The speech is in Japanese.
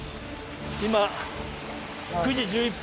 今９時１１分。